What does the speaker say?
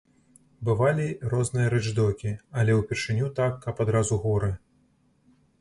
Бывалі розныя рэчдокі, але ўпершыню так, каб адразу горы!